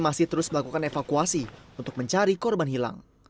masih terus melakukan evakuasi untuk mencari korban hilang